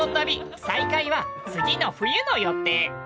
再開は次の冬の予定。